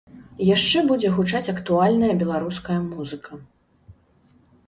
Яшчэ будзе гучаць актуальная беларуская музыка.